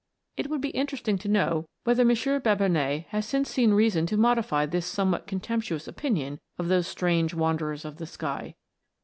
It would be interesting to know whether M. Babinet has since seen reason to modify this somewhat contemp tuous opinion of those " strange wanderers of the sky."